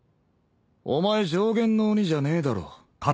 お前上弦の鬼じゃねえだろ。